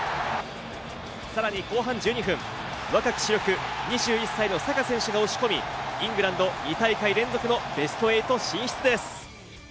後半１２分、若き主力、２１歳のサカ選手が押し込み、イングランド２大会連続のベスト８進出です。